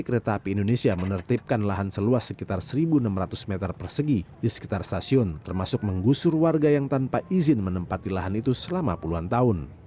kereta api indonesia menertibkan lahan seluas sekitar satu enam ratus meter persegi di sekitar stasiun termasuk menggusur warga yang tanpa izin menempati lahan itu selama puluhan tahun